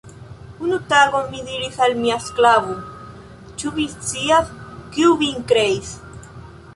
Unu tagon, mi diris al mia sklavo, Ĉu vi scias, kiu vin kreis?